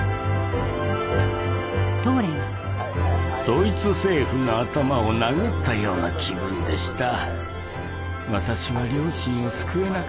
ドイツ政府の頭を殴ったような気分でした。